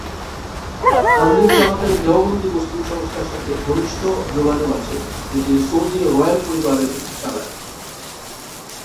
তাবলিগ জামাতের দেওবন্দি মুসলিম সংস্থার সাথে ঘনিষ্ঠ যোগাযোগ আছে, যেটি সৌদি রয়াল পরিবারের চালায়।